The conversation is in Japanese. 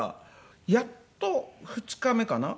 やっと２日目かな。